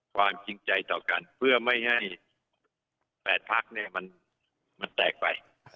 ความจริงใจต่อกันเพื่อไม่ให้๘พักมันแตกไป